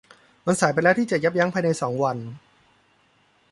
มันสายไปแล้วที่จะยับยั้งภายในสองวัน